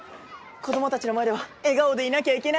子供たちの前では笑顔でいなきゃいけないのに！